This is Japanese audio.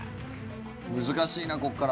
難しいなここから。